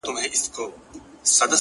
والله ه چي په تا پسي مي سترگي وځي-